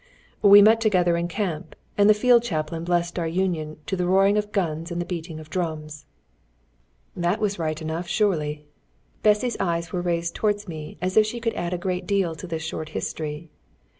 "We met together in camp, and the field chaplain blessed our union to the roaring of guns and the beating of drums." That was right enough, surely! Bessy's eyes were raised towards me as if she could add a great deal to this short history.